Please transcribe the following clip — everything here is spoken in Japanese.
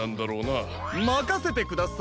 まかせてください。